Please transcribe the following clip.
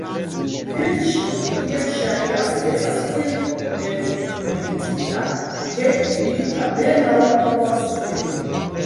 Vilĉjo, kiel ŝajnas, estas tiel elturmentita, ke li apenaŭ povas spiri.